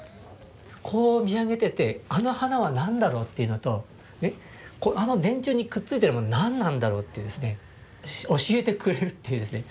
こう見上げててあの花は何だろう？というのとあの電柱にくっついてるもの何なんだろう？というですね教えてくれるというですね。